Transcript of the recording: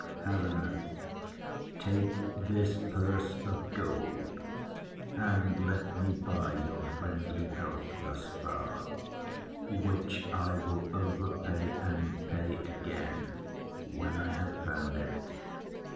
HELENA. Take this purse of gold, And let me buy your friendly help thus far, Which I will over pay, and pay again When I have found it.